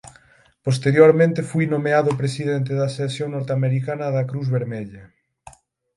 Posteriormente foi nomeado presidente da sección norteamericana da Cruz Vermella.